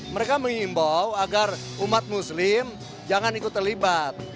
mereka mengimbau agar umat muslim jangan ikut terlibat